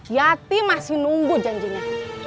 yati masih nunggu janjinya